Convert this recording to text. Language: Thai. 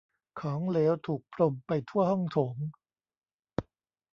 ของเหลวถูกพรมไปทั่วห้องโถง